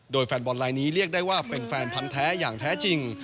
โดยแฟนบอลลายนี้เรียกได้ว่าเป็นแฟนพันธ์แท้อย่างแท้จริง